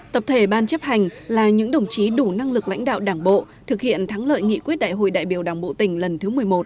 tập thể ban chấp hành là những đồng chí đủ năng lực lãnh đạo đảng bộ thực hiện thắng lợi nghị quyết đại hội đại biểu đảng bộ tỉnh lần thứ một mươi một